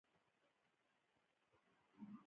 غزني د افغان کلتور سره تړاو لري.